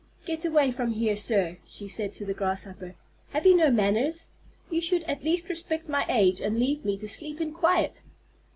"Get away from here, sir," she said to the Grasshopper. "Have you no manners? You should at least respect my age and leave me to sleep in quiet!"